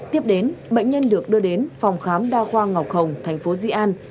tiếp đến bệnh nhân được đưa đến phòng khám đa khoa ngọc hồng thành phố di an